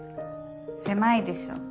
狭いでしょ。